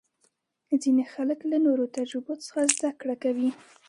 ځینې خلک له نورو تجربو څخه زده کړه کوي.